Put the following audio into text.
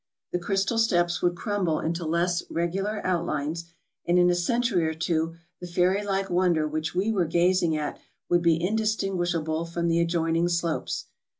The crystal steps would crumble into less regular outlines, and in a century or two the fairy like wonder which we were gazing at would be indistinguishable from the adjoining slopes.